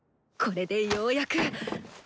これでようやく！